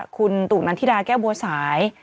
คุณตุนันทิดาแก้วบัวสาย